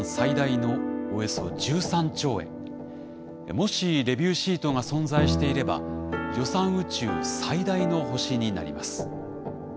もしレビューシートが存在していれば予算宇宙最大の星になります。